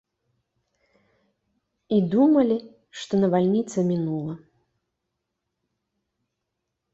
І думалі, што навальніца мінула.